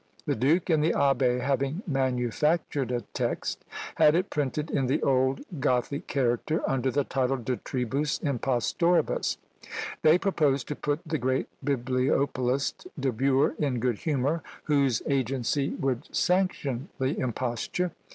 The Duke and the Abbé having manufactured a text, had it printed in the old Gothic character, under the title, De Tribus Impostoribus. They proposed to put the great bibliopolist, De Bure, in good humour, whose agency would sanction the imposture.